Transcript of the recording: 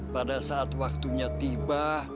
pada saat waktunya tiba